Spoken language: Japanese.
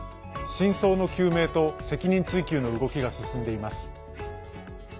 真相の究明と責任追及の動きが進んでいます。